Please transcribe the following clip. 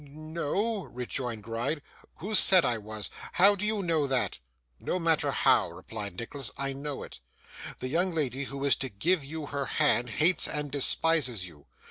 'N n no,' rejoined Gride. 'Who said I was? How do you know that?' 'No matter how,' replied Nicholas, 'I know it. The young lady who is to give you her hand hates and despises you.